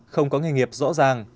không có nghề nghiệp rõ ràng